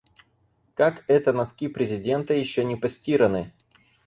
Как это носки президента ещё не постираны?